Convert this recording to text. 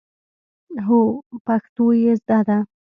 خو پښتو يې زده ده.